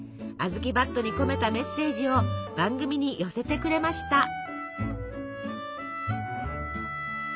あずきばっとに込めたメッセージを番組に寄せてくれました。